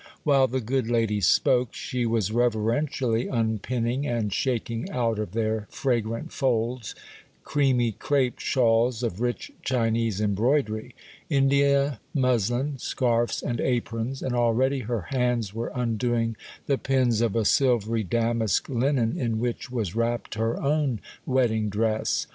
While the good lady spoke, she was reverentially unpinning and shaking out of their fragrant folds creamy crape shawls of rich Chinese embroidery,—India muslin, scarfs, and aprons; and already her hands were undoing the pins of a silvery damask linen in which was wrapped her own wedding dress.